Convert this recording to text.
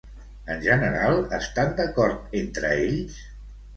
En general, estan d'acord entre ells?